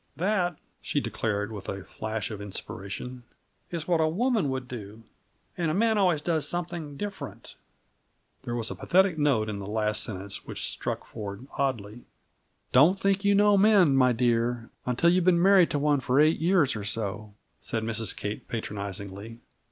That," she declared with a flash of inspiration, "is what a woman would do. And a man always does something different!" There was a pathetic note in the last sentence, which struck Ford oddly. "Don't think you know men, my dear, until you've been married to one for eight years or so," said Mrs. Kate patronizingly.